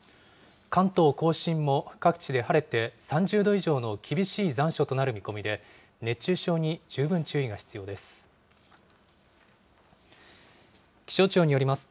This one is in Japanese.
関東甲信も各地で晴れて、３０度以上の厳しい残暑となる見込みで、熱中症に十分注意が必要です。